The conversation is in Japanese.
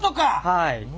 はい。